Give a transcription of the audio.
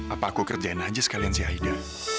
apa aku kerjain aja sekalian si aida